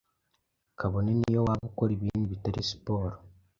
kabone n’iyo waba ukora ibindi bitari siporo,